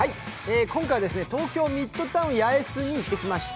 今回は東京ミッドタウン八重洲に行ってきました。